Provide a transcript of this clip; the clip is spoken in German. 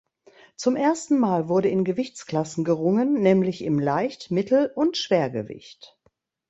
Zum ersten Mal wurde in Gewichtsklassen gerungen, nämlich im Leicht-, Mittel- und Schwergewicht.